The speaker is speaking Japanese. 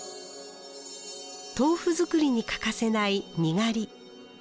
豆腐作りに欠かせないにがり。